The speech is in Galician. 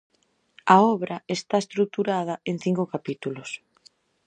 A obra está estruturada en cinco capítulos.